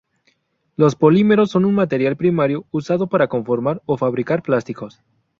Los polímeros son un material primario usado para conformar o fabricar plásticos.